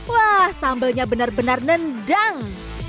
wah sambalnya benar benar nendang